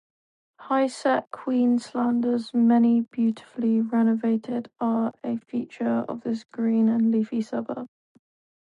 Highset Queenslanders, many beautifully renovated, are a feature of this green and leafy suburb.